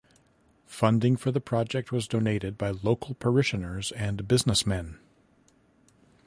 Funding for the project was donated by local parishioners and businessmen.